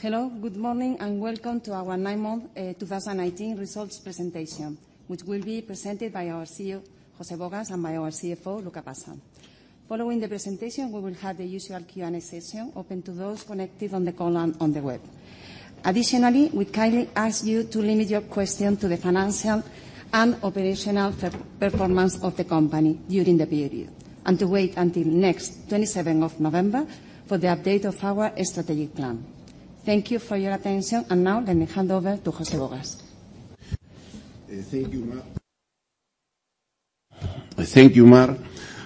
Hello, good morning, and welcome to our Nine-Month 2019 Results Presentation, which will be presented by our CEO, José Bogas, and by our CFO, Luca Passa. Following the presentation, we will have the usual Q&A session open to those connected on the call and on the web. Additionally, we kindly ask you to limit your questions to the financial and operational performance of the company during the period, and to wait until next 27th of November for the update of our strategic plan. Thank you for your attention, and now let me hand over to José Bogas. Thank you, Mar. Thank you, Mar.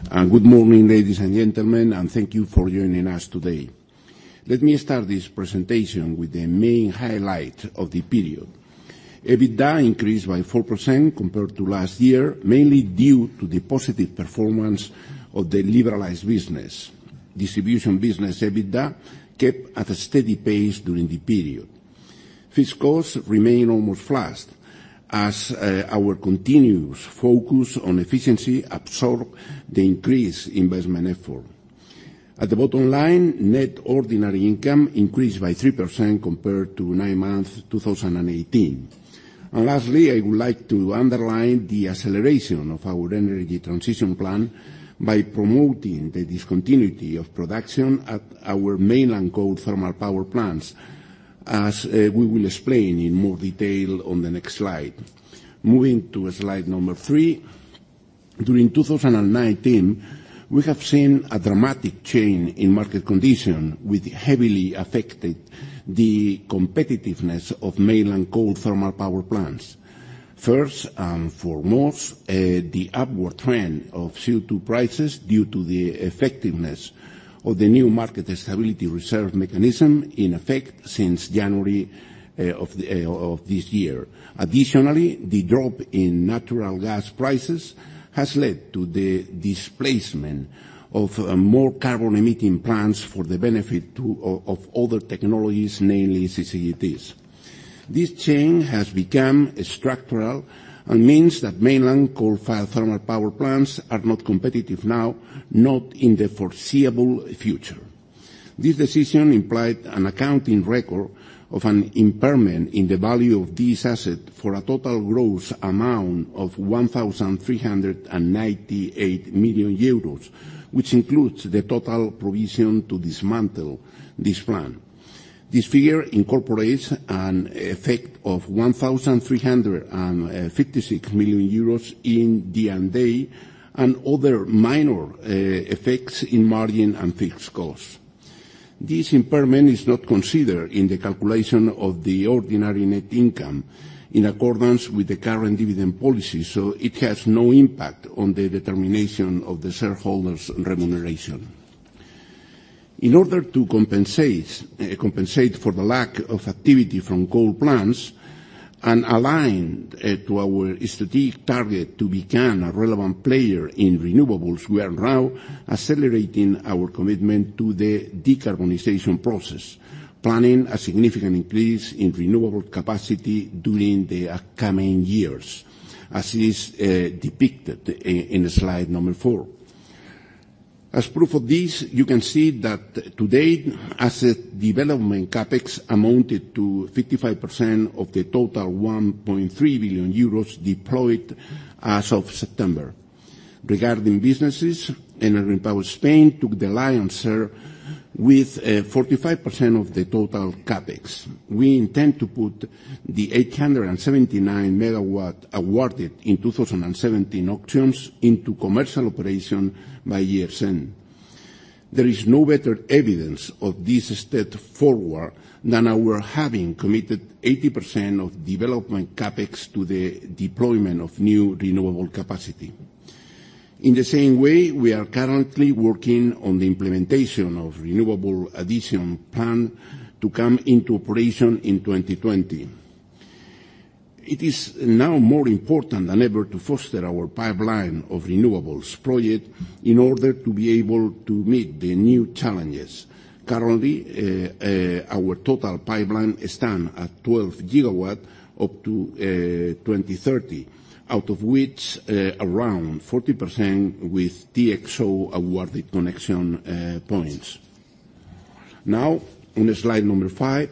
Good morning, ladies and gentlemen, and thank you for joining us today. Let me start this presentation with the main highlight of the period. EBITDA increased by 4% compared to last year, mainly due to the positive performance of the liberalized business. Distribution business EBITDA kept at a steady pace during the period. Fixed costs remain almost flat, as our continuous focus on efficiency absorbed the increased investment effort. At the bottom line, net ordinary income increased by 3% compared to nine-month 2018. And lastly, I would like to underline the acceleration of our energy transition plan by promoting the discontinuity of production at our mainland coal thermal power plants, as we will explain in more detail on the next slide. Moving to slide number three, during 2019, we have seen a dramatic change in market conditions, which heavily affected the competitiveness of mainland coal thermal power plants. First and foremost, the upward trend of CO2 prices due to the effectiveness of the new Market Stability Reserve mechanism in effect since January of this year. Additionally, the drop in natural gas prices has led to the displacement of more carbon-emitting plants for the benefit of other technologies, namely CCGTs. This change has become structural and means that mainland coal thermal power plants are not competitive now, not in the foreseeable future. This decision implied an accounting record of an impairment in the value of these assets for a total gross amount of 1,398 million euros, which includes the total provision to dismantle this plant. This figure incorporates an effect of €1,356 million in D&A and other minor effects in margin and fixed costs. This impairment is not considered in the calculation of the ordinary net income in accordance with the current dividend policy, so it has no impact on the determination of the shareholders' remuneration. In order to compensate for the lack of activity from coal plants and align to our strategic target to become a relevant player in renewables, we are now accelerating our commitment to the decarbonization process, planning a significant increase in renewable capacity during the coming years, as is depicted in slide number 4. As proof of this, you can see that to date, asset development Capex amounted to 55% of the total €1.3 billion deployed as of September. Regarding businesses, Enel Green Power Spain took the lion's share with 45% of the total Capex. We intend to put the 879 megawatt awarded in 2017 auctions into commercial operation by year's end. There is no better evidence of this step forward than our having committed 80% of development CapEx to the deployment of new renewable capacity. In the same way, we are currently working on the implementation of renewable addition plan to come into operation in 2020. It is now more important than ever to foster our pipeline of renewables project in order to be able to meet the new challenges. Currently, our total pipeline stands at 12 gigawatt up to 2030, out of which around 40% with TSO awarded connection points. Now, on slide number five,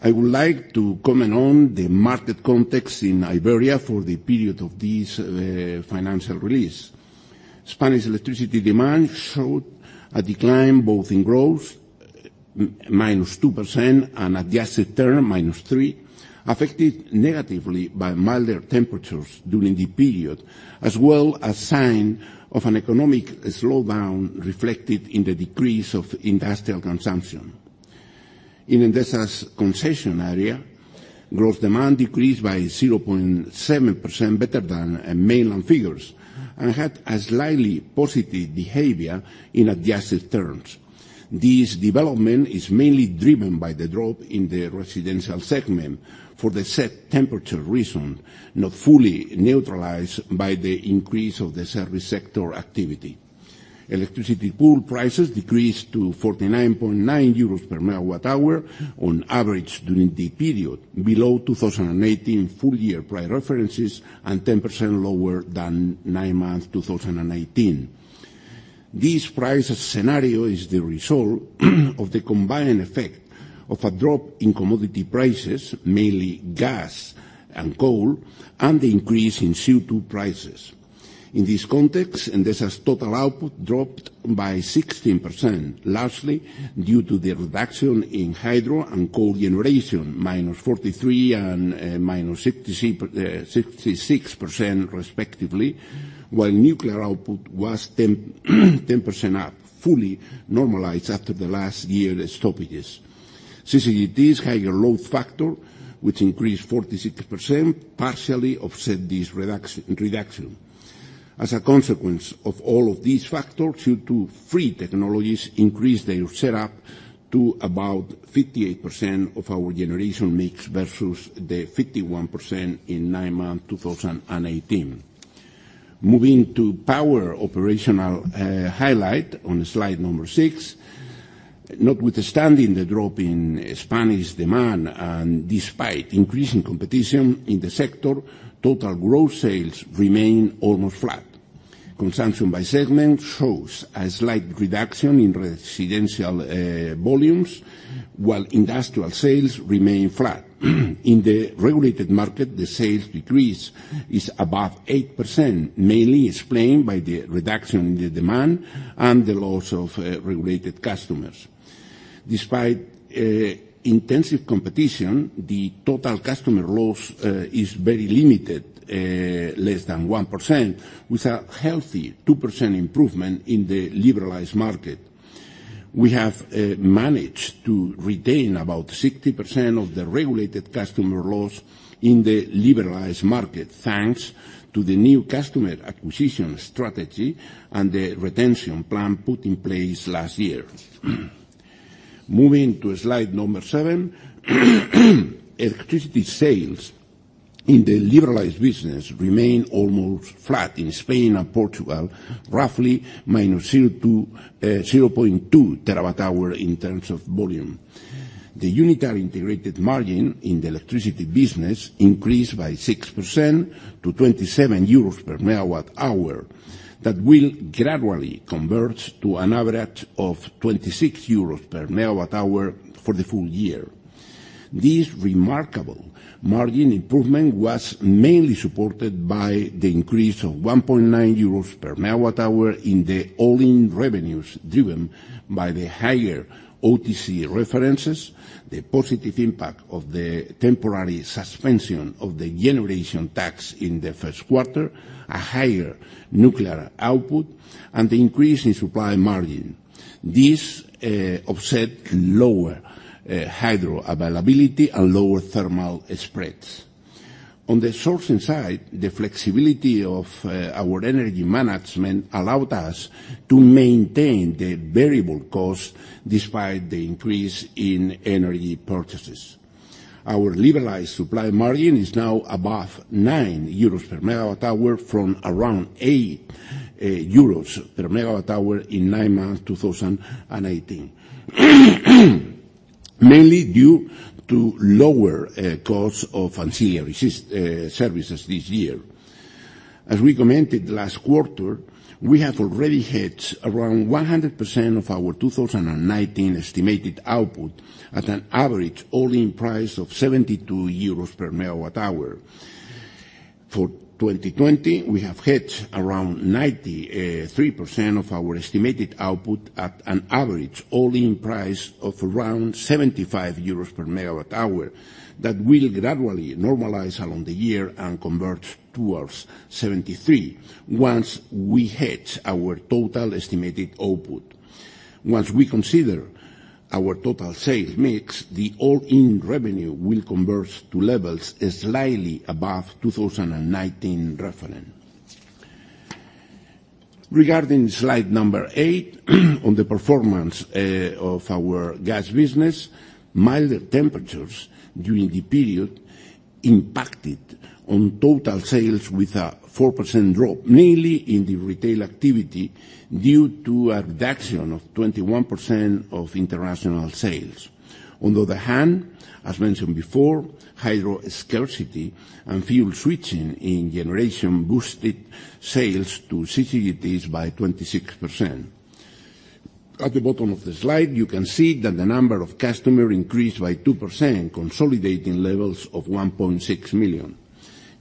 I would like to comment on the market context in Iberia for the period of this financial release. Spanish electricity demand showed a decline both in gross, minus 2%, and adjusted term, minus 3%, affected negatively by milder temperatures during the period, as well as signs of an economic slowdown reflected in the decrease of industrial consumption. In Endesa's concession area, gross demand decreased by 0.7%, better than mainland figures, and had a slightly positive behavior in adjusted terms. This development is mainly driven by the drop in the residential segment for the set temperature reason, not fully neutralized by the increase of the service sector activity. Electricity pool prices decreased to €49.9 per megawatt hour on average during the period, below 2018 full-year prior references and 10% lower than nine-month 2019. This price scenario is the result of the combined effect of a drop in commodity prices, mainly gas and coal, and the increase in CO2 prices. In this context, Endesa's total output dropped by 16%, largely due to the reduction in hydro and coal generation, -43% and -66%, respectively, while nuclear output was 10% up, fully normalized after the last year's stoppages. CCGT's higher load factor, which increased 46%, partially offset this reduction. As a consequence of all of these factors, CO2-free technologies increased their setup to about 58% of our generation mix versus the 51% in nine-month 2018. Moving to power operational highlight on slide number 6, notwithstanding the drop in Spanish demand and despite increasing competition in the sector, total gross sales remain almost flat. Consumption by segment shows a slight reduction in residential volumes, while industrial sales remain flat. In the regulated market, the sales decrease is above 8%, mainly explained by the reduction in the demand and the loss of regulated customers. Despite intensive competition, the total customer loss is very limited, less than 1%, with a healthy 2% improvement in the liberalized market. We have managed to retain about 60% of the regulated customer loss in the liberalized market, thanks to the new customer acquisition strategy and the retention plan put in place last year. Moving to slide number seven, electricity sales in the liberalized business remain almost flat in Spain and Portugal, roughly minus 0.2 terawatt hour in terms of volume. The unitary integrated margin in the electricity business increased by 6% to 27 euros per megawatt hour that will gradually convert to an average of 26 euros per megawatt hour for the full year. This remarkable margin improvement was mainly supported by the increase of 1.9 euros per megawatt hour in the all-in revenues driven by the higher OTC references, the positive impact of the temporary suspension of the generation tax in the first quarter, a higher nuclear output, and the increase in supply margin. This offset lower hydro availability and lower thermal spreads. On the sourcing side, the flexibility of our energy management allowed us to maintain the variable cost despite the increase in energy purchases. Our liberalized supply margin is now above 9 euros per megawatt hour from around 8 euros per megawatt hour in 9-Month 2018, mainly due to lower costs of ancillary services this year. As we commented last quarter, we have already hit around 100% of our 2019 estimated output at an average all-in price of 72 euros per megawatt hour. For 2020, we have hit around 93% of our estimated output at an average all-in price of around €75 per megawatt hour that will gradually normalize along the year and convert towards €73 once we hit our total estimated output. Once we consider our total sales mix, the all-in revenue will convert to levels slightly above 2019 reference. Regarding slide number 8, on the performance of our gas business, milder temperatures during the period impacted on total sales with a 4% drop, mainly in the retail activity due to a reduction of 21% of international sales. On the other hand, as mentioned before, hydro scarcity and fuel switching in generation boosted sales to CCGTs by 26%. At the bottom of the slide, you can see that the number of customers increased by 2%, consolidating levels of 1.6 million.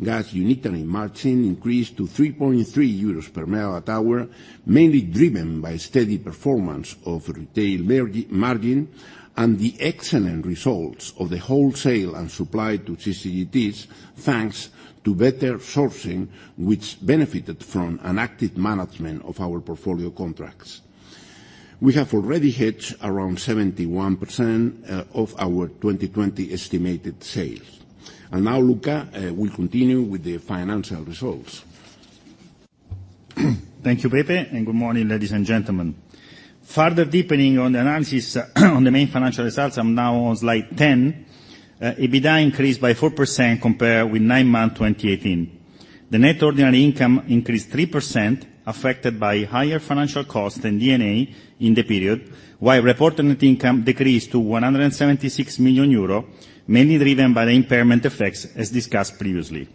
Gas unitary margin increased to €3.3 per megawatt hour, mainly driven by steady performance of retail margin and the excellent results of the wholesale and supply to CCGTs thanks to better sourcing, which benefited from an active management of our portfolio contracts. We have already hit around 71% of our 2020 estimated sales. And now, Luca, we continue with the financial results. Thank you, Pepe, and good morning, ladies and gentlemen. Further deepening on the analysis on the main financial results, I'm now on slide 10. EBITDA increased by 4% compared with nine-month 2018. The net ordinary income increased 3%, affected by higher financial costs and D&A in the period, while reported net income decreased to 176 million euro, mainly driven by the impairment effects as discussed previously.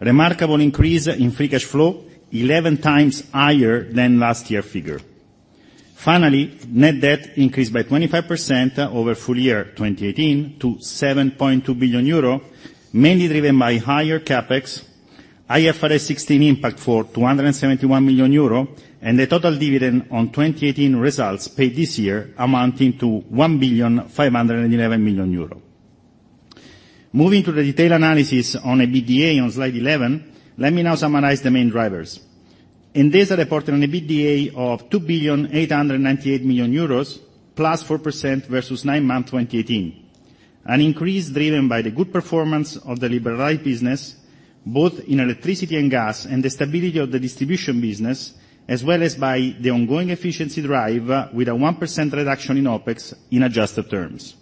Remarkable increase in free cash flow, 11 times higher than last year's figure. Finally, net debt increased by 25% over full year 2018 to 7.2 billion euro, mainly driven by higher CapEx, IFRS 16 impact for 271 million euro, and the total dividend on 2018 results paid this year amounting to 1.511 million euro. Moving to the detailed analysis on EBITDA on slide 11, let me now summarize the main drivers. Endesa reported an EBITDA of 2.898 million euros, plus 4% versus nine-month 2018. An increase driven by the good performance of the liberalized business, both in electricity and gas, and the stability of the distribution business, as well as by the ongoing efficiency drive with a 1% reduction in OpEx in adjusted terms.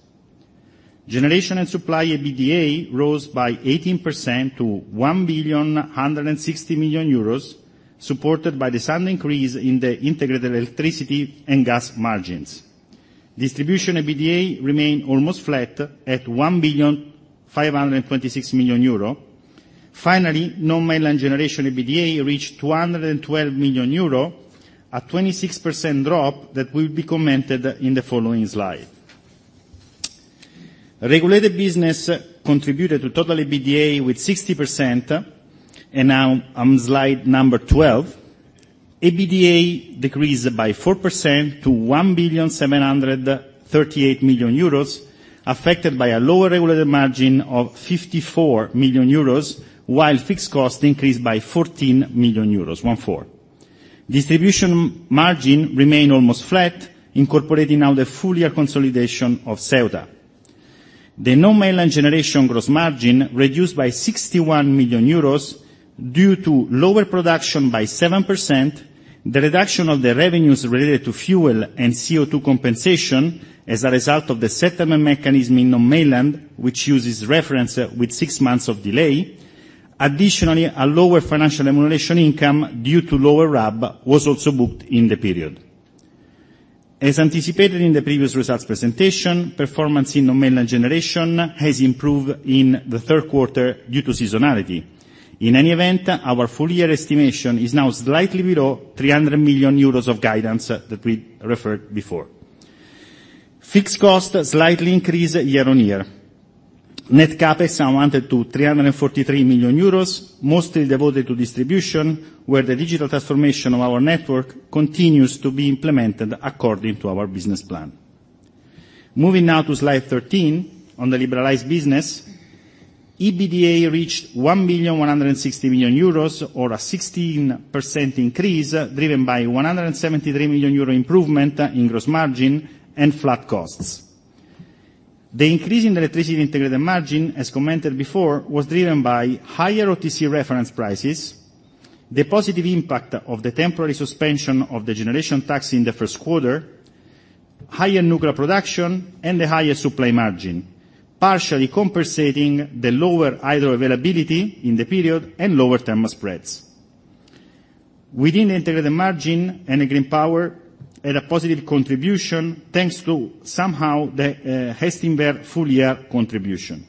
Generation and supply EBITDA rose by 18% to 1,160 million euros, supported by the sudden increase in the integrated electricity and gas margins. Distribution EBITDA remained almost flat at 1,526 million euro. Finally, non-mainland generation EBITDA reached 212 million euro, a 26% drop that will be commented in the following slide. Regulated business contributed to total EBITDA with 60%, and now on slide number 12, EBITDA decreased by 4% to 1,738 million euros, affected by a lower regulated margin of 54 million euros, while fixed costs increased by 14 million euros, one-fourth. Distribution margin remained almost flat, incorporating now the full year consolidation of Ceuta. The non-mainland generation gross margin reduced by 61 million euros due to lower production by 7%, the reduction of the revenues related to fuel and CO2 compensation as a result of the settlement mechanism in non-mainland, which uses reference with six months of delay. Additionally, a lower financial remuneration income due to lower RAB was also booked in the period. As anticipated in the previous results presentation, performance in non-mainland generation has improved in the third quarter due to seasonality. In any event, our full year estimation is now slightly below 300 million euros of guidance that we referred before. Fixed costs slightly increased year on year. Net Capex amounted to 343 million euros, mostly devoted to distribution, where the digital transformation of our network continues to be implemented according to our business plan. Moving now to slide 13 on the liberalized business, EBITDA reached €1,160 million, or a 16% increase driven by €173 million improvement in gross margin and flat costs. The increase in electricity integrated margin, as commented before, was driven by higher OTC reference prices, the positive impact of the temporary suspension of the generation tax in the first quarter, higher nuclear production, and the higher supply margin, partially compensating the lower hydro availability in the period and lower thermal spreads. Within the integrated margin, Enel Green Power had a positive contribution thanks to somehow the Gestinver full year contribution.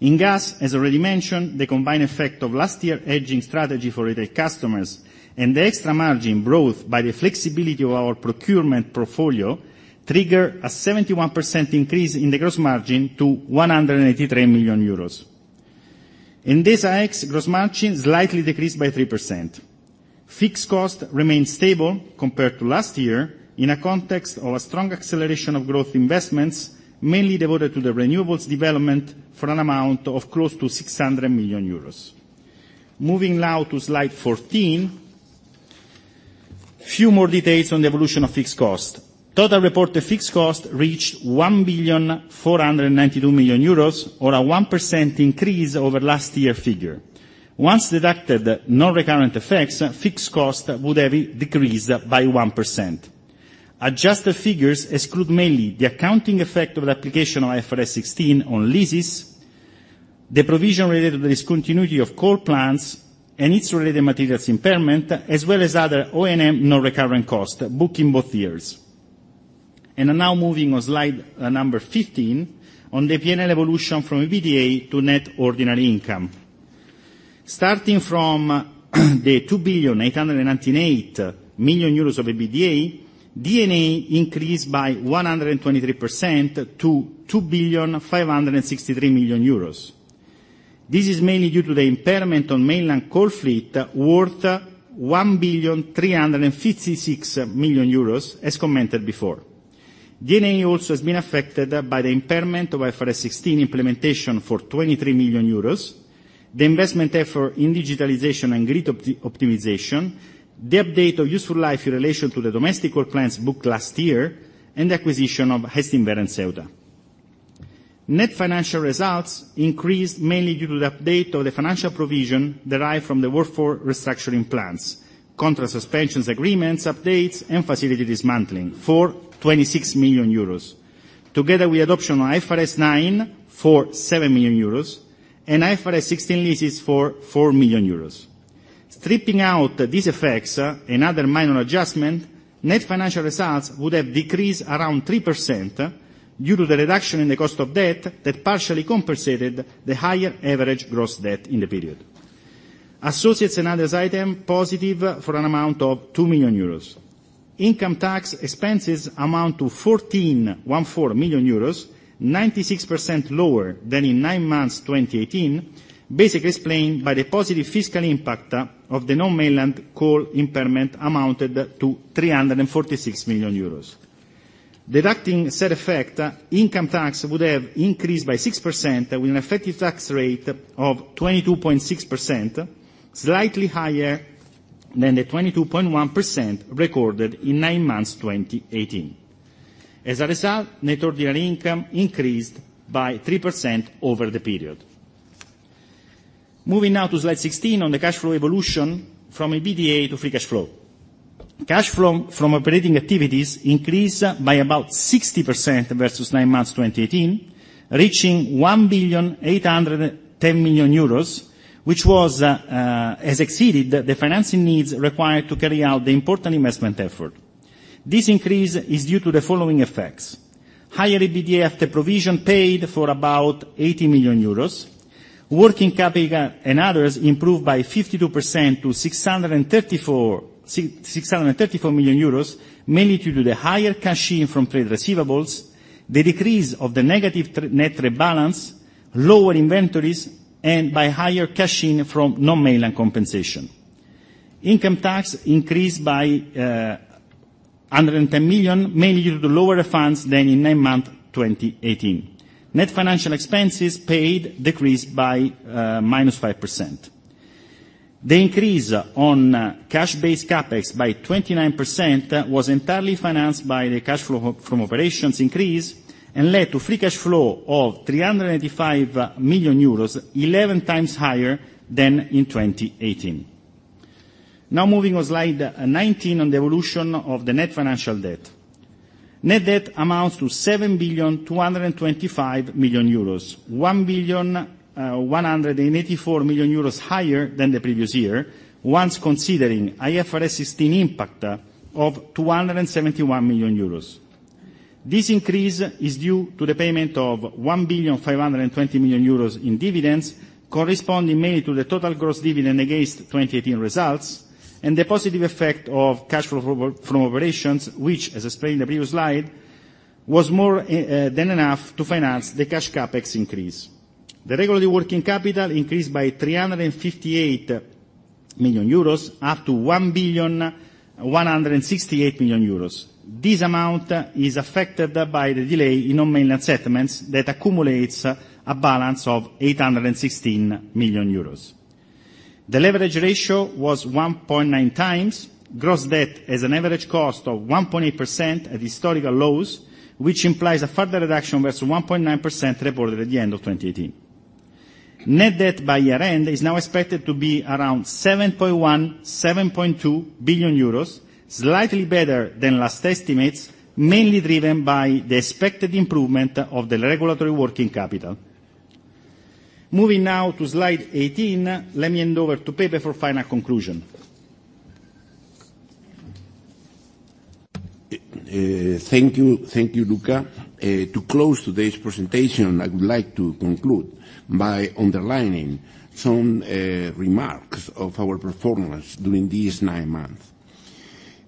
In gas, as already mentioned, the combined effect of last year's hedging strategy for retail customers and the extra margin brought by the flexibility of our procurement portfolio triggered a 71% increase in the gross margin to €183 million. In Endesa X, gross margin slightly decreased by 3%. Fixed costs remained stable compared to last year in a context of a strong acceleration of growth investments, mainly devoted to the renewables development for an amount of close to 600 million euros. Moving now to slide 14, a few more details on the evolution of fixed costs. Total reported fixed costs reached 1.492 million euros, or a 1% increase over last year's figure. Once deducted non-recurrent effects, fixed costs would have decreased by 1%. Adjusted figures exclude mainly the accounting effect of the application of IFRS 16 on leases, the provision related to the discontinuity of coal plants, and its related materials impairment, as well as other O&M non-recurrent costs booked in both years. And now moving on slide number 15, on the P&L evolution from EBITDA to net ordinary income. Starting from the 2.898 million euros of EBITDA, D&A increased by 123% to EUR 2.563 million. This is mainly due to the impairment on mainland coal fleet worth 1.356 million euros, as commented before. D&A also has been affected by the impairment of IFRS 16 implementation for 23 million euros, the investment effort in digitalization and grid optimization, the update of useful life in relation to the domestic coal plants booked last year, and the acquisition of Gestinver and Eléctrica de Ceuta. Net financial results increased mainly due to the update of the financial provision derived from the workforce restructuring plans, collective suspension agreements updates, and facility dismantling for 26 million euros, together with adoption on IFRS 9 for 7 million euros and IFRS 16 leases for 4 million euros. Stripping out these effects and other minor adjustments, net financial results would have decreased around 3% due to the reduction in the cost of debt that partially compensated the higher average gross debt in the period. Associates and other items positive for an amount of €2 million. Income tax expenses amount to €14.14 million, 96% lower than in 9-Month 2018, basically explained by the positive fiscal impact of the non-mainland coal impairment amounted to €346 million. Deducting said effect, income tax would have increased by 6% with an effective tax rate of 22.6%, slightly higher than the 22.1% recorded in 9-Month 2018. As a result, net ordinary income increased by 3% over the period. Moving now to Slide 16 on the cash flow evolution from EBITDA to free cash flow. Cash flow from operating activities increased by about 60% versus 9-Month 2018, reaching €1,810 million, which also exceeded the financing needs required to carry out the important investment effort. This increase is due to the following effects: higher EBITDA after provision paid for about 80 million euros, working capital and others improved by 52% to 634 million euros, mainly due to the higher cashing from trade receivables, the decrease of the negative net rebalance, lower inventories, and by higher cashing from non-mainland compensation. Income tax increased by 110 million, mainly due to lower funds than in nine-month 2018. Net financial expenses paid decreased by minus 5%. The increase on cash-based Capex by 29% was entirely financed by the cash flow from operations increase and led to free cash flow of 385 million euros, 11 times higher than in 2018. Now moving on slide 19 on the evolution of the net financial debt. Net debt amounts to 7.225 million euros, 1.184 million euros higher than the previous year, once considering IFRS 16 impact of 271 million euros. This increase is due to the payment of €1.520 million in dividends, corresponding mainly to the total gross dividend against 2018 results, and the positive effect of cash flow from operations, which, as explained in the previous slide, was more than enough to finance the cash Capex increase. The regulatory working capital increased by €358 million, up to €1.168 million. This amount is affected by the delay in non-mainland settlements that accumulates a balance of €816 million. The leverage ratio was 1.9 times, gross debt with an average cost of 1.8% at historical lows, which implies a further reduction versus 1.9% reported at the end of 2018. Net debt by year-end is now expected to be around €7.1-7.2 billion, slightly better than last estimates, mainly driven by the expected improvement of the regulatory working capital. Moving now to slide 18, let me hand over to Pepe for final conclusion. Thank you, Luca. To close today's presentation, I would like to conclude by underlining some remarks of our performance during these 9 months.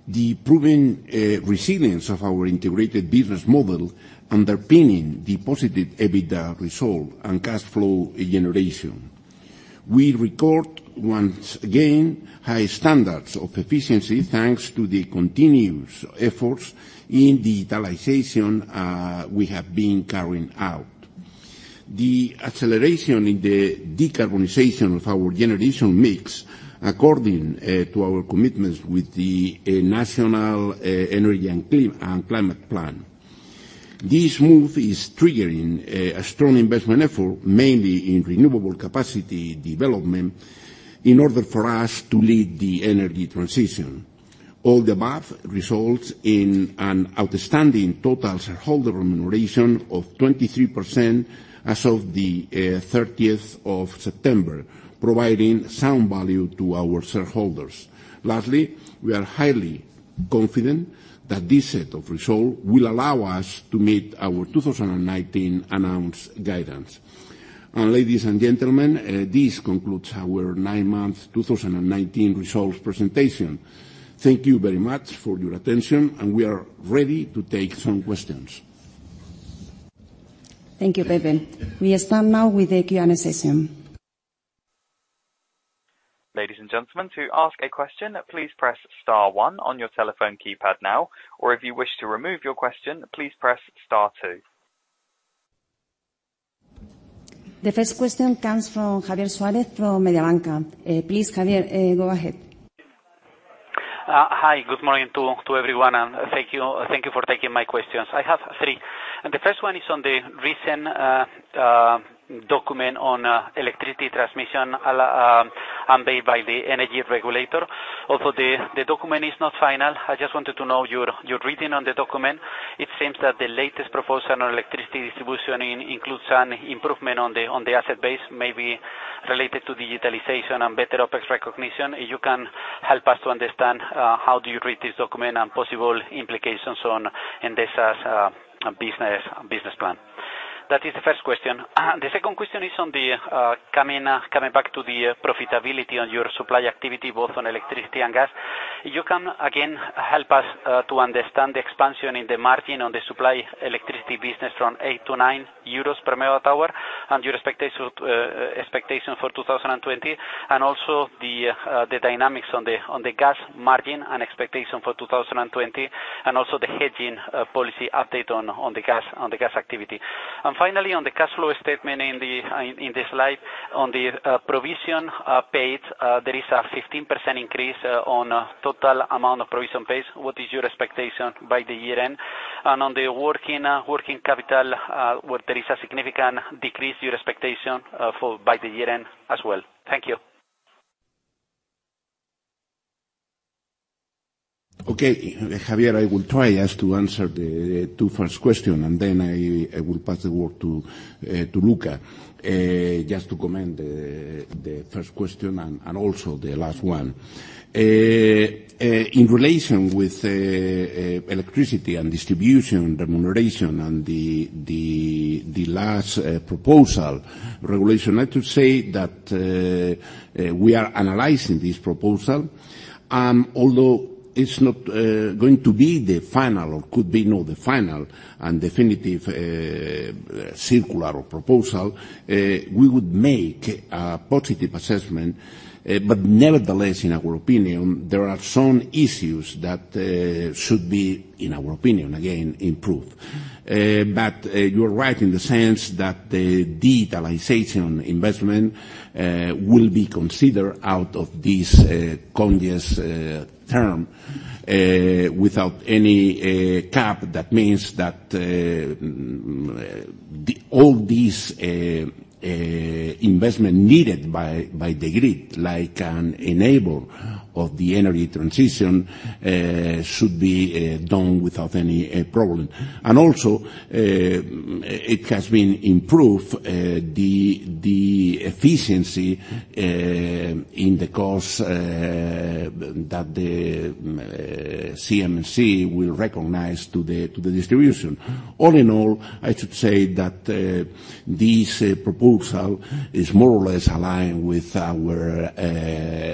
The proven resilience of our integrated business model underpinning the positive EBITDA result and cash flow generation. We record once again high standards of efficiency thanks to the continuous efforts in digitalization we have been carrying out. The acceleration in the decarbonization of our generation mix, according to our commitments with the National Energy and Climate Plan. This move is triggering a strong investment effort, mainly in renewable capacity development, in order for us to lead the energy transition. All the above results in an outstanding total shareholder remuneration of 23% as of the 30th of September, providing sound value to our shareholders. Lastly, we are highly confident that this set of results will allow us to meet our 2019 announced guidance. Ladies and gentlemen, this concludes our nine-month 2019 results presentation. Thank you very much for your attention, and we are ready to take some questions. Thank you, Pepe. We stand now with the Q&A session. Ladies and gentlemen, to ask a question, please press Star 1 on your telephone keypad now, or if you wish to remove your question, please press Star 2. The first question comes from Javier Suárez from Mediobanca. Please, Javier, go ahead. Hi, good morning to everyone, and thank you for taking my questions. I have three and the first one is on the recent document on electricity transmission update by the energy regulator. Although the document is not final, I just wanted to know your reading on the document. It seems that the latest proposal on electricity distribution includes an improvement on the asset base, maybe related to digitalization and better OpEx recognition. You can help us to understand how do you read this document and possible implications on Endesa's business plan? That is the first question. The second question is on the coming back to the profitability on your supply activity, both on electricity and gas. You can, again, help us to understand the expansion in the margin on the supply electricity business from €8 to €9 per megawatt hour and your expectation for 2020, and also the dynamics on the gas margin and expectation for 2020, and also the hedging policy update on the gas activity. And finally, on the cash flow statement in this slide, on the provision paid, there is a 15% increase on total amount of provision paid. What is your expectation by the year-end? And on the working capital, there is a significant decrease, your expectation by the year-end as well. Thank you. Okay, Javier, I will try just to answer the two first questions, and then I will pass the word to Luca just to comment the first question and also the last one. In relation with electricity and distribution remuneration and the last proposal regulation, I have to say that we are analyzing this proposal. Although it's not going to be the final or could be not the final and definitive circular or proposal, we would make a positive assessment. But nevertheless, in our opinion, there are some issues that should be, in our opinion, again, improved. But you are right in the sense that the digitalization investment will be considered out of this constrained term without any cap. That means that all this investment needed by the grid, like an enabler of the energy transition, should be done without any problem. And also, it has been improved the efficiency in the costs that the CNMC will recognize to the distribution. All in all, I should say that this proposal is more or less aligned with our hypothesis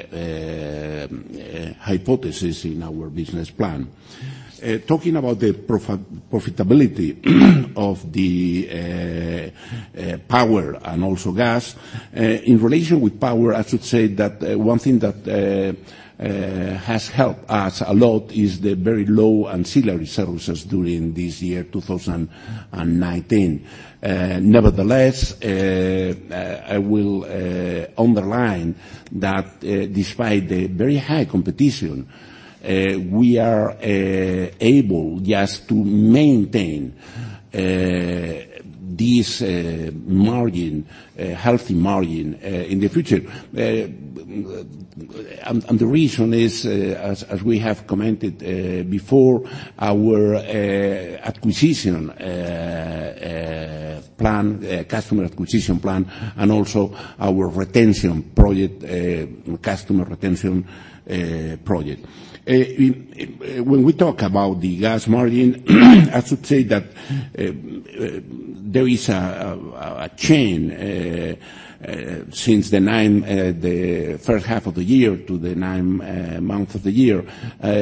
in our business plan. Talking about the profitability of the power and also gas, in relation with power, I should say that one thing that has helped us a lot is the very low Ancillary Services during this year 2019. Nevertheless, I will underline that despite the very high competition, we are able just to maintain this margin, healthy margin in the future. And the reason is, as we have commented before, our acquisition plan, customer acquisition plan, and also our retention project, customer retention project. When we talk about the gas margin, I should say that there is a change since the first half of the year to the 9-month of the year.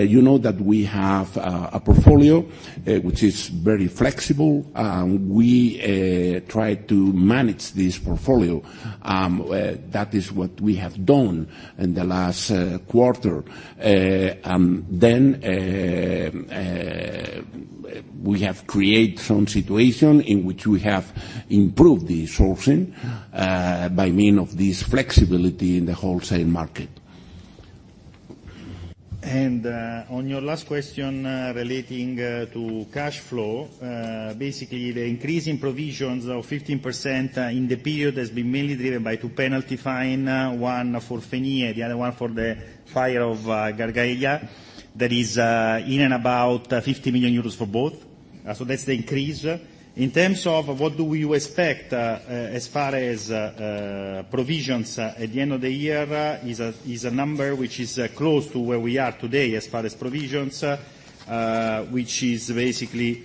You know that we have a portfolio which is very flexible, and we try to manage this portfolio. That is what we have done in the last quarter. Then we have created some situation in which we have improved the sourcing by means of this flexibility in the wholesale market. And on your last question relating to cash flow, basically the increase in provisions of 15% in the period has been mainly driven by two penalty fines, one for FENIE, the other one for the fire of Gargáligas. That is in and about 50 million euros for both. So that's the increase. In terms of what do we expect as far as provisions at the end of the year, is a number which is close to where we are today as far as provisions, which is basically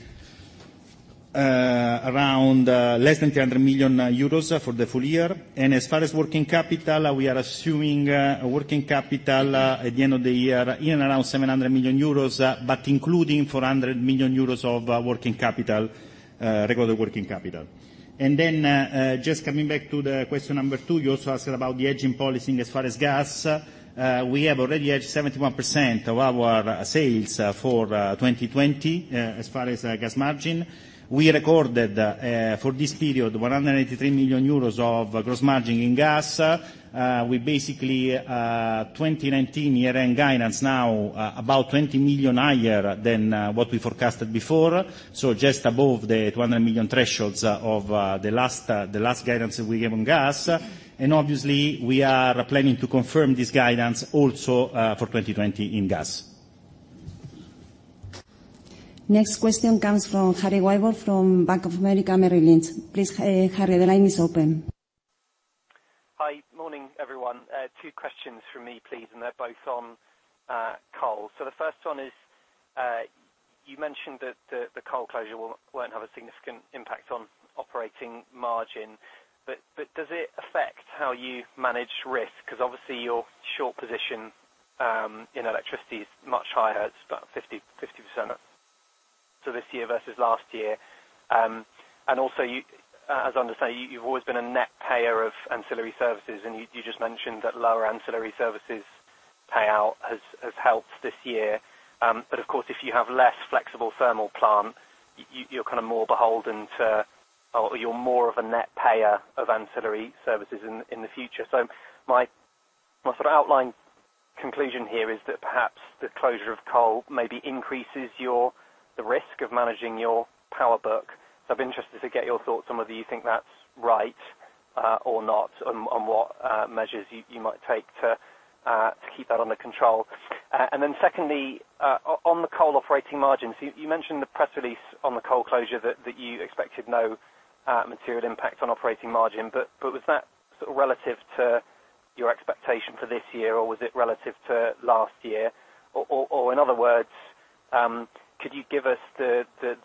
around less than 300 million euros for the full year. And as far as working capital, we are assuming working capital at the end of the year in and around 700 million euros, but including 400 million euros of working capital, regular working capital. And then just coming back to the question number two, you also asked about the hedging policy as far as gas. We have already hedged 71% of our sales for 2020 as far as gas margin. We recorded for this period 183 million euros of gross margin in gas. We basically, 2019 year-end guidance now about 20 million higher than what we forecasted before, so just above the 200 million thresholds of the last guidance that we gave on gas. And obviously, we are planning to confirm this guidance also for 2020 in gas. Next question comes from Harry Wyburd from Bank of America Merrill Lynch. Please, Harry, the line is open. Hi, morning everyone. Two questions from me, please, and they're both on coal. So the first one is, you mentioned that the coal closure won't have a significant impact on operating margin, but does it affect how you manage risk? Because obviously your short position in electricity is much higher, it's about 50% of this year versus last year. And also, as I understand, you've always been a net payer of ancillary services, and you just mentioned that lower ancillary services payout has helped this year. But of course, if you have less flexible thermal plant, you're kind of more beholden to, or you're more of a net payer of ancillary services in the future. So my sort of outline conclusion here is that perhaps the closure of coal maybe increases the risk of managing your power book. So, I'd be interested to get your thoughts on whether you think that's right or not, on what measures you might take to keep that under control. And then secondly, on the coal operating margin, so you mentioned the press release on the coal closure that you expected no material impact on operating margin, but was that sort of relative to your expectation for this year, or was it relative to last year? Or in other words, could you give us the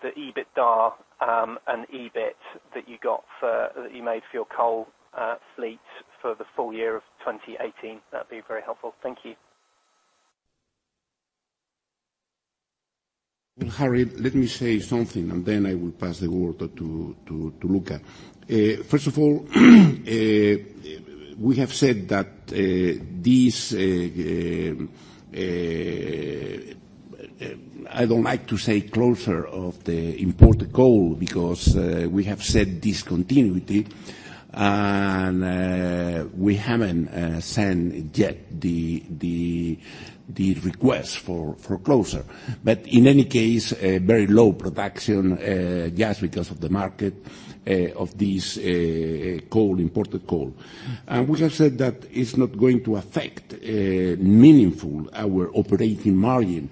EBITDA and EBIT that you got that you made for your coal fleet for the full year of 2018? That'd be very helpful. Thank you. Harry, let me say something, and then I will pass the word to Luca. First of all, we have said that this. I don't like to say closure of the imported coal, because we have said discontinuity, and we haven't sent yet the request for closure. In any case, very low production just because of the market of this coal, imported coal. We have said that it's not going to affect meaningfully our operating margin,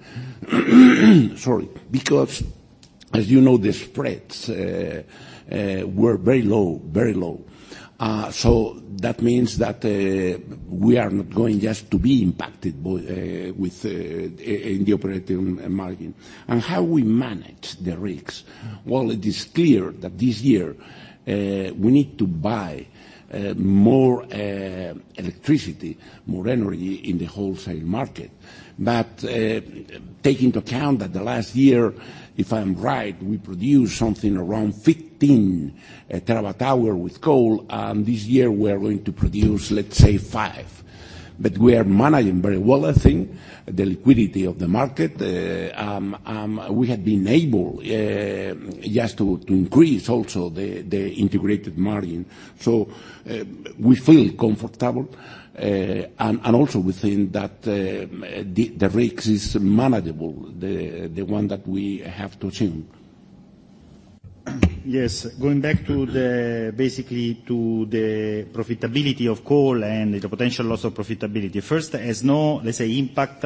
sorry, because as you know, the spreads were very low, very low. That means that we are not going just to be impacted with the operating margin. How we manage the risks? It is clear that this year we need to buy more electricity, more energy in the wholesale market. But taking into account that the last year, if I'm right, we produced something around 15 terawatt hours with coal, and this year we are going to produce, let's say, five. But we are managing very well, I think, the liquidity of the market. We have been able just to increase also the integrated margin. So we feel comfortable, and also we think that the risk is manageable, the one that we have to assume. Yes. Going back to basically the profitability of coal and the potential loss of profitability. First, there's no, let's say, impact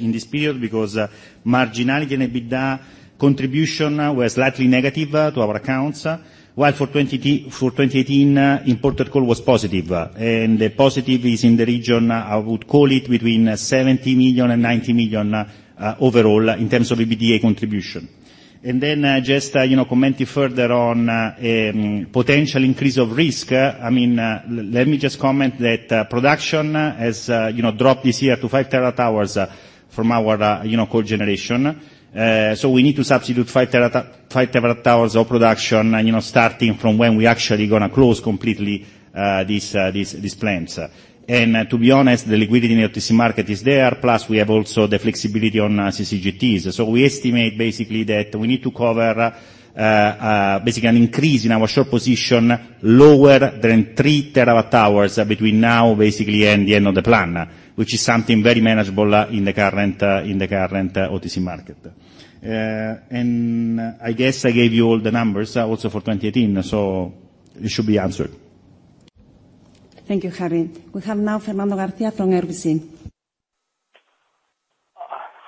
in this period because marginal EBITDA contribution was slightly negative to our accounts, while for 2018, imported coal was positive. And the positive is in the region, I would call it between €70 million and €90 million overall in terms of EBITDA contribution. And then just commenting further on potential increase of risk, I mean, let me just comment that production has dropped this year to 5 terawatt hours from our coal generation. So we need to substitute 5 terawatt hours of production starting from when we're actually going to close completely these plants. And to be honest, the liquidity in the electricity market is there, plus we have also the flexibility on CCGTs. We estimate that we need to cover an increase in our short position lower than three terawatt hours between now and the end of the plan, which is something very manageable in the current OTC market. I guess I gave you all the numbers also for 2018, so it should be answered. Thank you, Harry. We have now Fernando García from Merrill Lynch.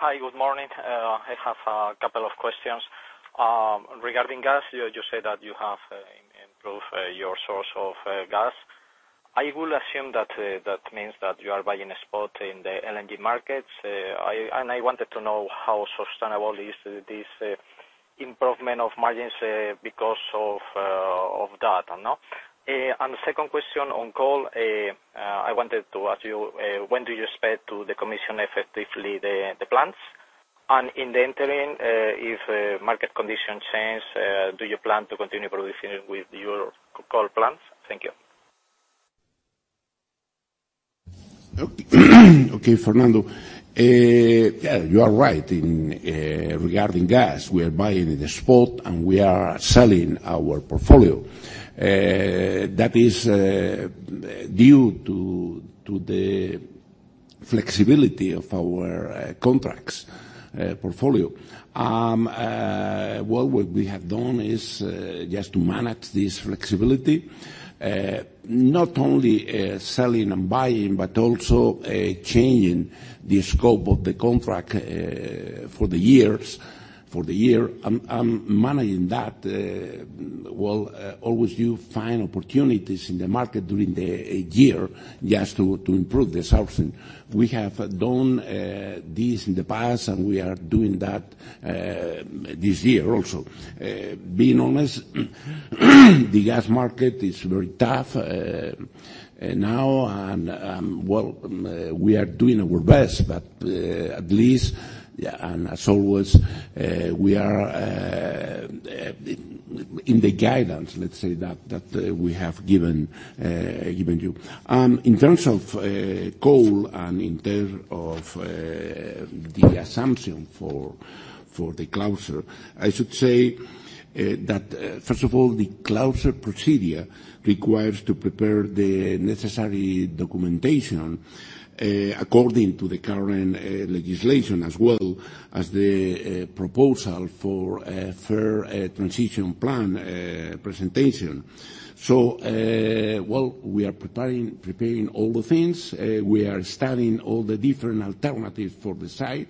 Hi, good morning. I have a couple of questions. Regarding gas, you said that you have improved your source of gas. I will assume that means that you are buying a spot in the LNG markets. And I wanted to know how sustainable is this improvement of margins because of that. And the second question on coal, I wanted to ask you, when do you expect to decommission effectively the plants? And in the interim, if market conditions change, do you plan to continue producing with your coal plants? Thank you. Okay, Fernando. Yeah, you are right regarding gas. We are buying in the spot and we are selling our portfolio. That is due to the flexibility of our contracts portfolio. What we have done is just to manage this flexibility, not only selling and buying, but also changing the scope of the contract for the year, and managing that, well, always you find opportunities in the market during the year just to improve the sourcing. We have done this in the past and we are doing that this year also. Being honest, the gas market is very tough now, and, well, we are doing our best, but at least, and as always, we are in the guidance, let's say, that we have given you. In terms of coal and in terms of the assumption for the closure, I should say that first of all, the closure procedure requires to prepare the necessary documentation according to the current legislation as well as the proposal for a fair transition plan presentation, so while we are preparing all the things, we are studying all the different alternatives for the site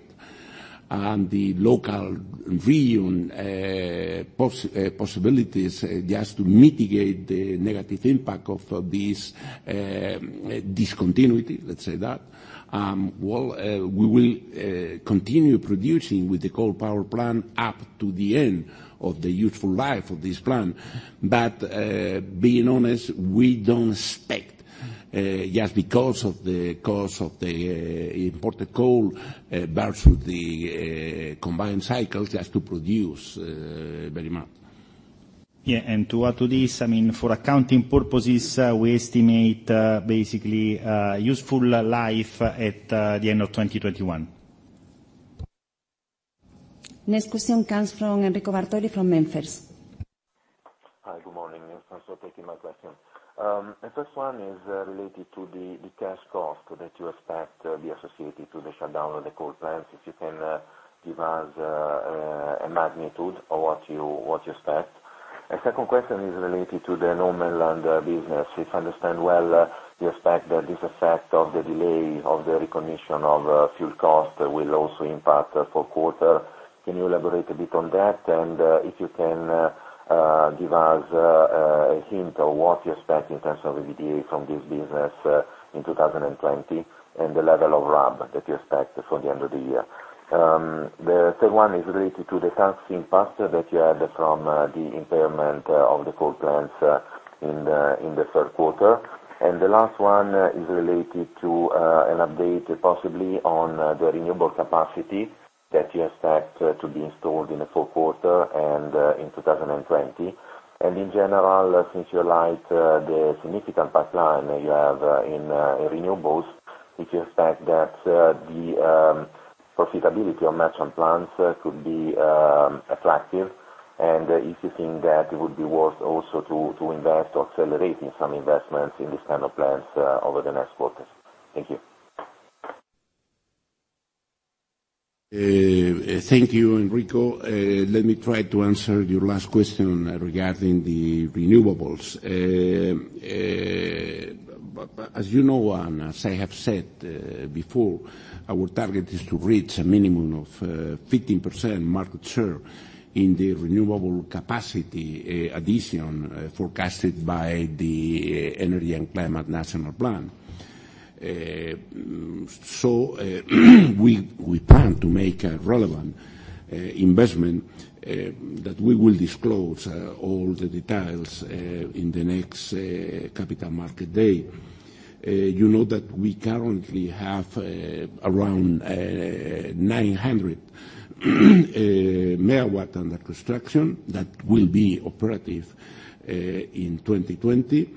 and the local region possibilities just to mitigate the negative impact of this discontinuity, let's say that. Well, we will continue producing with the coal power plant up to the end of the useful life of this plant. But being honest, we don't expect just because of the cost of the imported coal versus the combined cycle just to produce very much. Yeah. And to add to this, I mean, for accounting purposes, we estimate basically useful life at the end of 2021. Next question comes from Enrico Bartoli from MainFirst. Hi, good morning. Thanks for taking my question. The first one is related to the cash cost that you expect to be associated to the shutdown of the coal plants. If you can give us a magnitude of what you expect. A second question is related to the non-regulated business. If I understand well, you expect that this effect of the delay of the recognition of fuel cost will also impact this quarter. Can you elaborate a bit on that? And if you can give us a hint of what you expect in terms of EBITDA from this business in 2020 and the level of RAB that you expect for the end of the year. The third one is related to the tax impact that you had from the impairment of the coal plants in the third quarter. The last one is related to an update possibly on the renewable capacity that you expect to be installed in the fourth quarter and in 2020. In general, since you highlight the significant pipeline you have in renewables, if you expect that the profitability of merchant plants could be attractive, and if you think that it would be worth also to invest or accelerate some investments in these kind of plants over the next quarter? Thank you. Thank you, Enrico. Let me try to answer your last question regarding the renewables. As you know, and as I have said before, our target is to reach a minimum of 15% market share in the renewable capacity addition forecasted by the National Energy and Climate Plan. So we plan to make a relevant investment that we will disclose all the details in the next capital market day. You know that we currently have around 900 megawatts under construction that will be operative in 2020.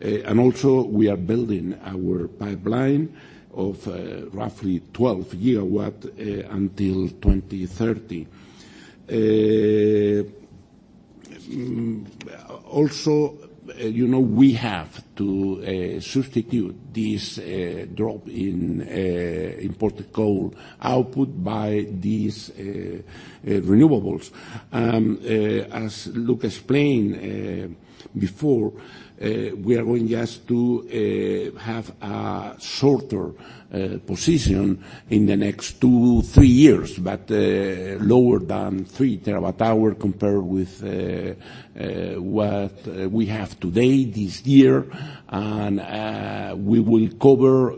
And also, we are building our pipeline of roughly 12 gigawatts until 2030. Also, we have to substitute this drop in imported coal output by these renewables. As Luca explained before, we are going just to have a shorter position in the next two, three years, but lower than 3 terawatt hours compared with what we have today this year. We will cover,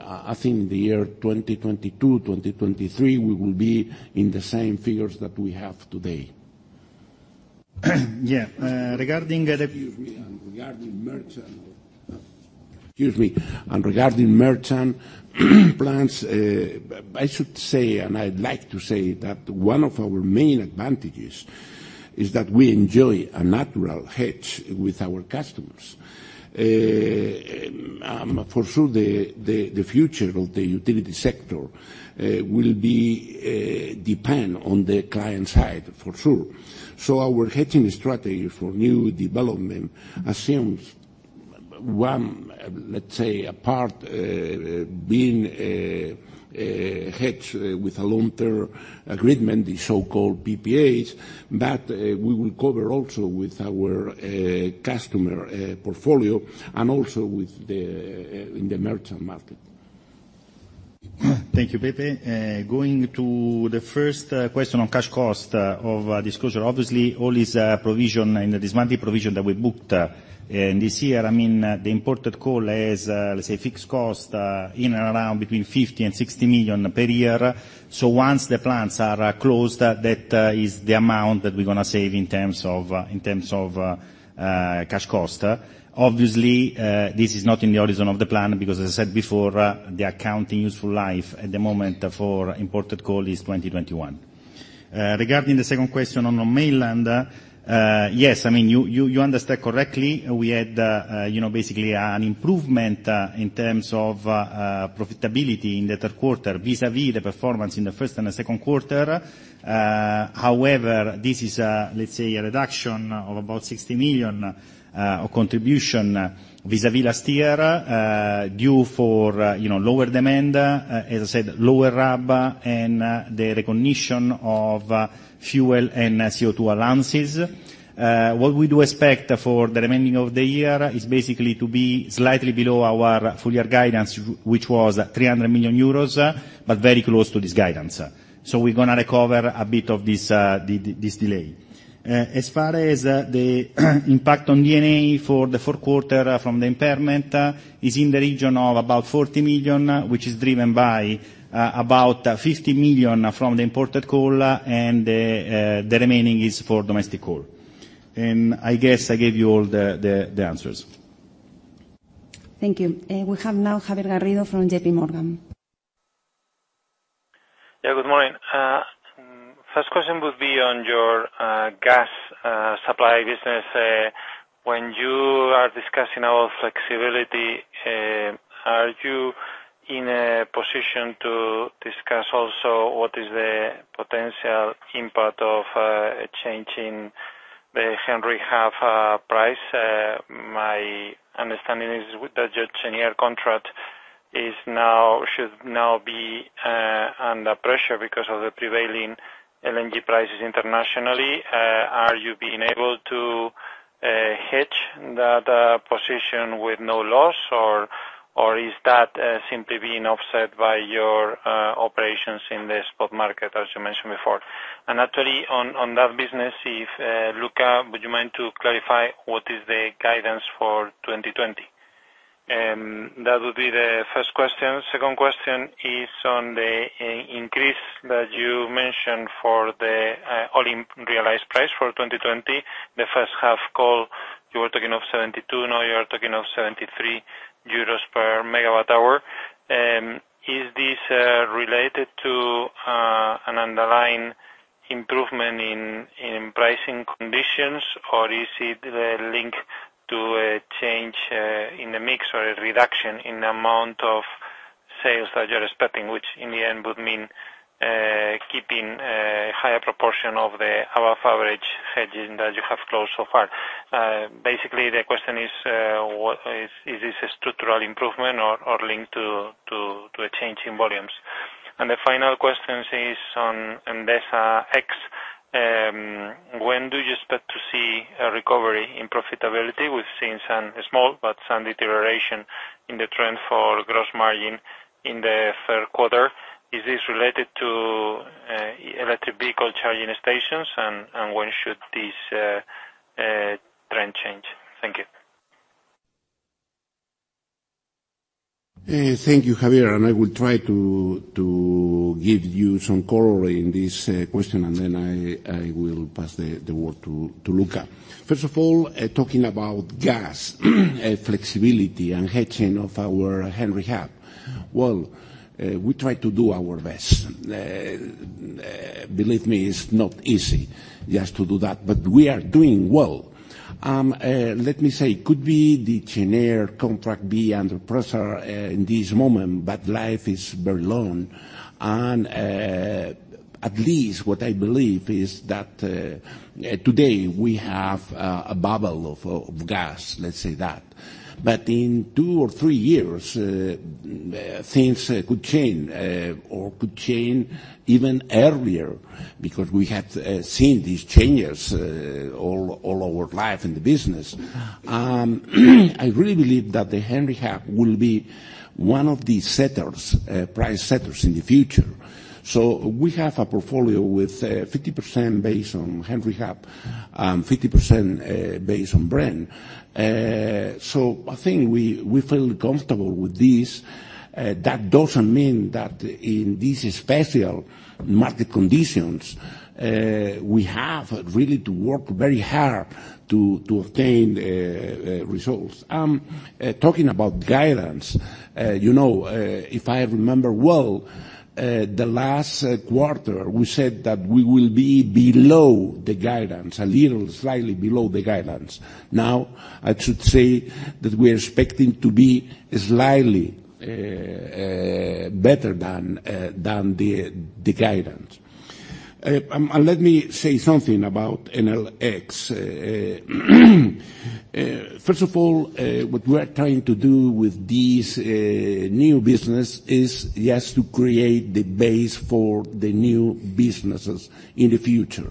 I think, the year 2022, 2023, we will be in the same figures that we have today. Yeah. Regarding the. Excuse me. Regarding merchant plants, I should say, and I'd like to say that one of our main advantages is that we enjoy a natural hedge with our customers. For sure, the future of the utility sector will depend on the client side, for sure. So our hedging strategy for new development assumes one, let's say, a part being hedged with a long-term agreement, the so-called PPAs, that we will cover also with our customer portfolio and also in the merchant market. Thank you, Pepe. Going to the first question on cash cost of disclosure. Obviously, all this provision and the dismantling provision that we booked this year, I mean, the imported coal has, let's say, fixed cost in and around between €50 and €60 million per year. So once the plants are closed, that is the amount that we're going to save in terms of cash cost. Obviously, this is not in the origin of the plan because, as I said before, the accounting useful life at the moment for imported coal is 2021. Regarding the second question on mainland, yes, I mean, you understand correctly, we had basically an improvement in terms of profitability in the third quarter vis-à-vis the performance in the first and the second quarter. However, this is, let's say, a reduction of about 60 million of contribution vis-à-vis last year due for lower demand, as I said, lower RAB, and the recognition of fuel and CO2 allowances. What we do expect for the remaining of the year is basically to be slightly below our full-year guidance, which was 300 million euros, but very close to this guidance. So we're going to recover a bit of this delay. As far as the impact on D&A for the fourth quarter from the impairment, it's in the region of about 40 million, which is driven by about 50 million from the imported coal, and the remaining is for domestic coal. And I guess I gave you all the answers. Thank you. We have now Javier Garrido from JP Morgan. Yeah, good morning. First question would be on your gas supply business. When you are discussing our flexibility, are you in a position to discuss also what is the potential impact of changing the Henry Hub price? My understanding is that your 10-year contract should now be under pressure because of the prevailing LNG prices internationally. Are you being able to hedge that position with no loss, or is that simply being offset by your operations in the spot market, as you mentioned before? And actually, on that business, Luca, would you mind to clarify what is the guidance for 2020? And that would be the first question. Second question is on the increase that you mentioned for the all-in realized price for 2020. The first half coal, you were talking of 72, now you are talking of 73 euros per megawatt hour. Is this related to an underlying improvement in pricing conditions, or is it linked to a change in the mix or a reduction in the amount of sales that you're expecting, which in the end would mean keeping a higher proportion of the above-average hedging that you have closed so far? Basically, the question is, is this a structural improvement or linked to a change in volumes? And the final question is on Endesa X. When do you expect to see a recovery in profitability? We've seen some small, but some deterioration in the trend for gross margin in the third quarter. Is this related to electric vehicle charging stations, and when should this trend change? Thank you. Thank you, Javier. And I will try to give you some color in this question, and then I will pass the word to Luca. First of all, talking about gas flexibility and hedging of our Henry Hub, well, we try to do our best. Believe me, it's not easy just to do that, but we are doing well. Let me say, it could be the 10-year contract be under pressure in this moment, but life is very long. And at least what I believe is that today we have a bubble of gas, let's say that. But in two or three years, things could change or could change even earlier because we have seen these changes all our life in the business. I really believe that the Henry Hub will be one of the price setters in the future. We have a portfolio with 50% based on Henry Hub and 50% based on Brent. So I think we feel comfortable with this. That doesn't mean that in these special market conditions, we have really to work very hard to obtain results. Talking about guidance, if I remember well, the last quarter, we said that we will be below the guidance, a little, slightly below the guidance. Now, I should say that we are expecting to be slightly better than the guidance. And let me say something about Enel X. First of all, what we are trying to do with this new business is just to create the base for the new businesses in the future.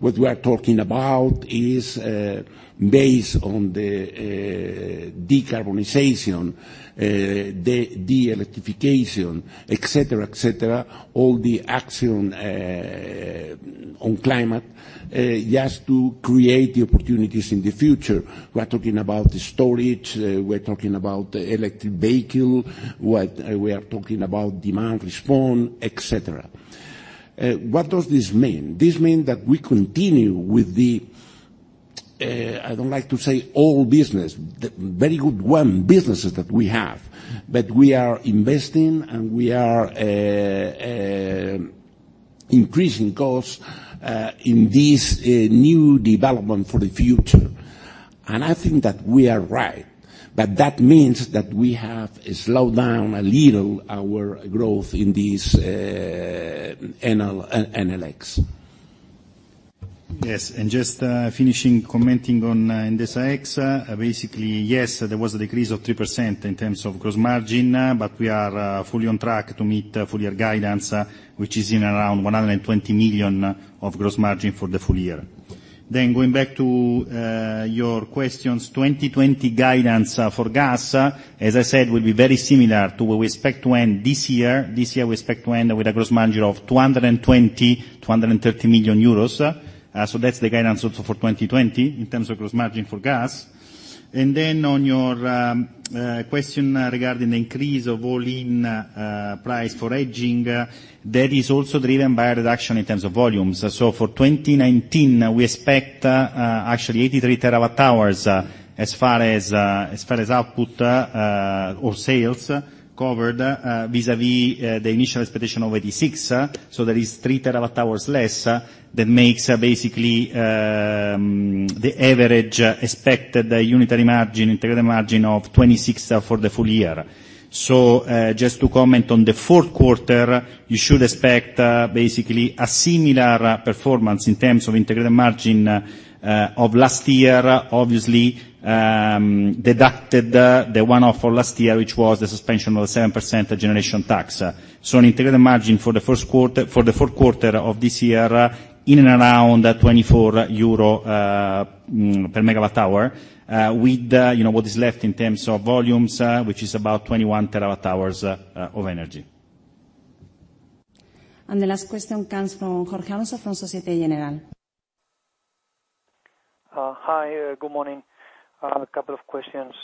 What we are talking about is based on the decarbonization, the electrification, etc., etc., all the action on climate just to create the opportunities in the future. We're talking about the storage, we're talking about the electric vehicle, we are talking about demand response, etc. What does this mean? This means that we continue with the, I don't like to say, old business, very good businesses that we have, but we are investing and we are increasing costs in this new development for the future, and I think that we are right, but that means that we have slowed down a little our growth in this Endesa X. Yes. And just finishing commenting on Endesa X, basically, yes, there was a decrease of 3% in terms of gross margin, but we are fully on track to meet full-year guidance, which is in around 120 million of gross margin for the full year. Then going back to your questions, 2020 guidance for gas, as I said, will be very similar to what we expect to end this year. This year, we expect to end with a gross margin of 220-230 million euros. So that's the guidance also for 2020 in terms of gross margin for gas. And then on your question regarding the increase of all-in price for hedging, that is also driven by a reduction in terms of volumes. So for 2019, we expect actually 83 terawatt hours as far as output or sales covered vis-à-vis the initial expectation of 86. So there are 3 terawatt hours less that makes basically the average expected unitary margin, integrated margin of 26 for the full year. So just to comment on the fourth quarter, you should expect basically a similar performance in terms of integrated margin of last year, obviously deducted the one-off for last year, which was the suspension of the 7% generation tax. So integrated margin for the fourth quarter of this year in and around 24 euros per megawatt hour with what is left in terms of volumes, which is about 21 terawatt hours of energy. The last question comes from Jorge Alonso from Société Générale. Hi, good morning. A couple of questions.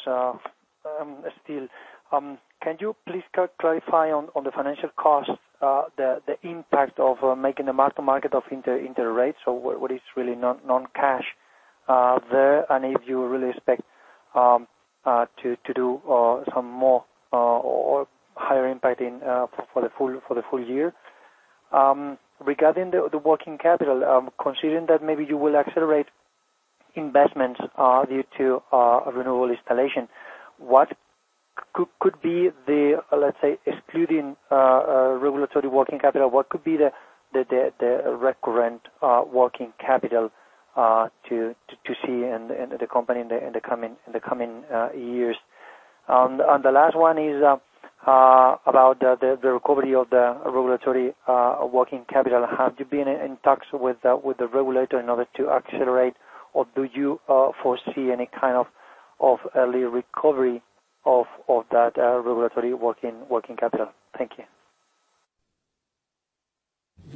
Can you please clarify on the financial cost, the impact of mark-to-market of interest rates? So what is really non-cash there and if you really expect to do some more or higher impact for the full year? Regarding the working capital, considering that maybe you will accelerate investments due to renewable installation, what could be the, let's say, excluding regulatory working capital, what could be the recurrent working capital to see in the company in the coming years? And the last one is about the recovery of the regulatory working capital. Have you been in touch with the regulator in order to accelerate, or do you foresee any kind of early recovery of that regulatory working capital? Thank you.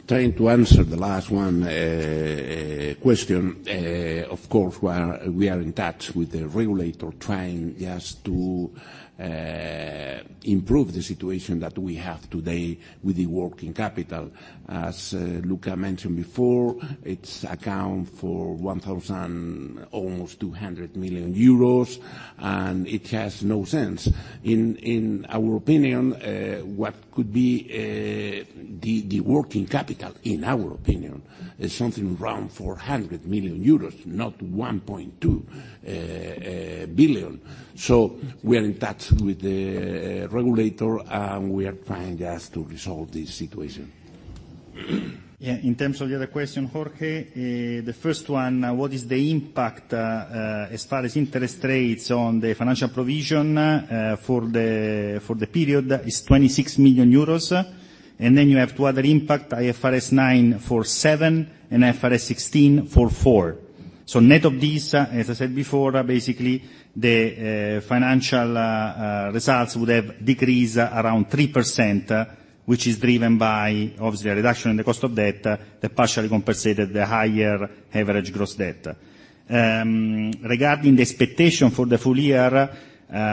Trying to answer the last question, of course, we are in touch with the regulator, trying just to improve the situation that we have today with the working capital. As Luca mentioned before, it accounts for almost 200 million euros, and it has no sense. In our opinion, what could be the working capital, in our opinion, is something around 400 million euros, not 1.2 billion. So we are in touch with the regulator, and we are trying just to resolve this situation. Yeah. In terms of the other question, Jorge, the first one, what is the impact as far as interest rates on the financial provision for the period is 26 million euros. And then you have two other impacts, IFRS 9 for 7 and IFRS 16 for 4. So net of these, as I said before, basically the financial results would have decreased around 3%, which is driven by, obviously, a reduction in the cost of debt that partially compensated the higher average gross debt. Regarding the expectation for the full year,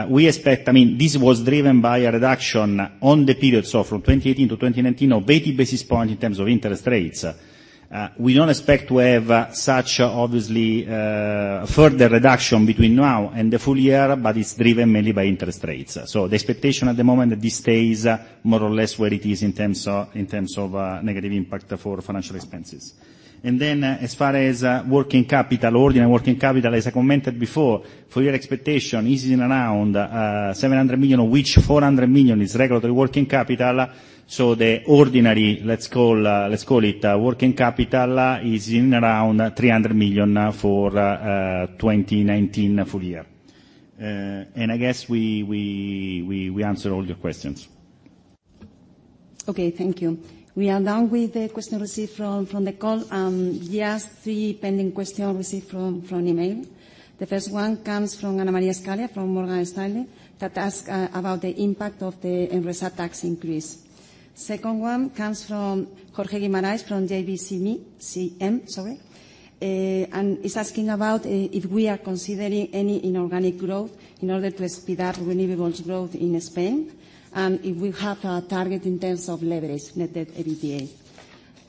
we expect, I mean, this was driven by a reduction on the period, so from 2018 to 2019, of 80 basis points in terms of interest rates. We don't expect to have such, obviously, further reduction between now and the full year, but it's driven mainly by interest rates. So the expectation at the moment is this stays more or less where it is in terms of negative impact for financial expenses. And then as far as working capital, ordinary working capital, as I commented before, full-year expectation is in around 700 million, of which 400 million is regulatory working capital. So the ordinary, let's call it working capital, is in around 300 million for 2019 full year. And I guess we answered all your questions. Okay. Thank you. We are done with the questions received from the call. Just three pending questions received from email. The first one comes from Anna Maria Scaglia, from Morgan Stanley, that asks about the impact of the energy tax increase. Second one comes from Jorge Guimarães from JBCM, sorry, and is asking about if we are considering any inorganic growth in order to speed up renewables growth in Spain and if we have a target in terms of leverage, net debt EBITDA.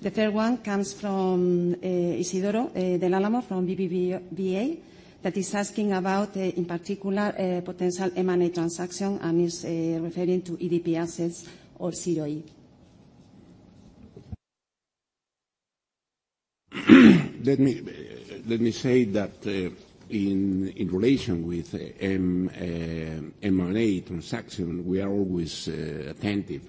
The third one comes from Isidoro Del Álamo from BBVA that is asking about, in particular, potential M&A transaction and is referring to EDP assets or Viesgo. Let me say that in relation with M&A transaction, we are always attentive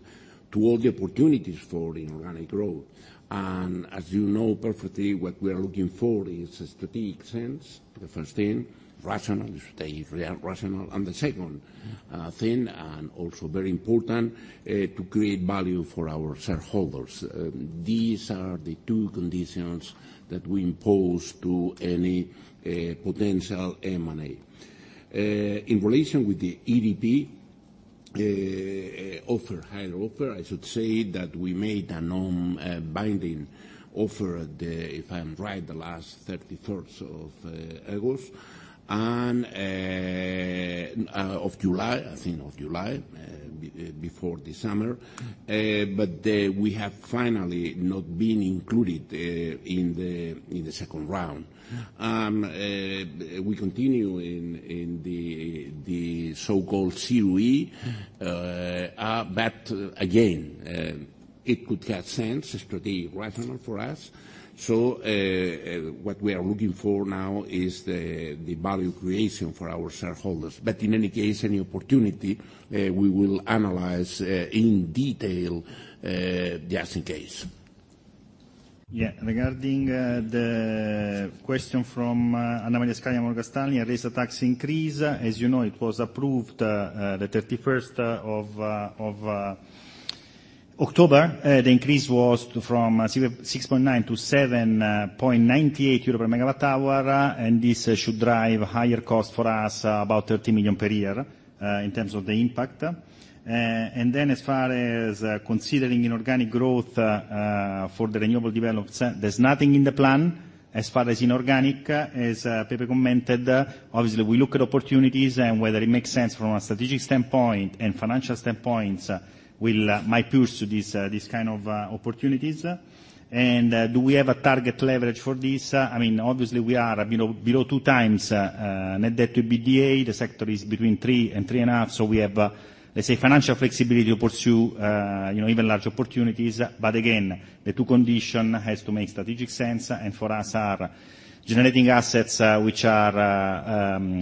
to all the opportunities for inorganic growth. And as you know perfectly, what we are looking for is strategic sense, the first thing, rational, stay rational, and the second thing, and also very important, to create value for our shareholders. These are the two conditions that we impose to any potential M&A. In relation with the EDP, higher offer, I should say that we made a non-binding offer if I'm right, the last 30th of July, I think of July, before the summer, but we have finally not been included in the second round. We continue in the so-called Viesgo, but again, it could have sense, strategic, rational for us. So what we are looking for now is the value creation for our shareholders. But in any case, any opportunity, we will analyze in detail just in case. Yeah. Regarding the question from Anna Scaglia, Morgan Stanley, energy tax increase, as you know, it was approved the 31st of October. The increase was from 6.9-7.98 euro per megawatt hour, and this should drive higher cost for us, about 30 million per year in terms of the impact, and then as far as considering inorganic growth for the renewable development, there's nothing in the plan. As far as inorganic, as Pepe commented, obviously, we look at opportunities and whether it makes sense from a strategic standpoint and financial standpoints. We might pursue these kind of opportunities, and do we have a target leverage for this? I mean, obviously, we are below two times net debt to EBITDA. The sector is between 3-3.5, so we have, let's say, financial flexibility to pursue even large opportunities. But again, the two conditions have to make strategic sense, and for us, are generating assets which are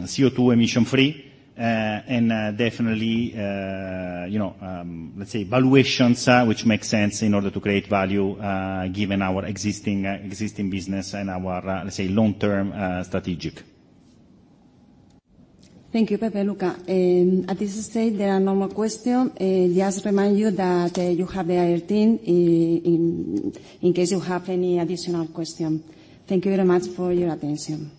CO2 emission-free and definitely, let's say, valuations which make sense in order to create value given our existing business and our, let's say, long-term strategic. Thank you, Pepe, Luca. At this stage, there are no more questions. Just remind you that you have the IR team in case you have any additional questions. Thank you very much for your attention.